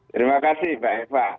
terima kasih mbak eva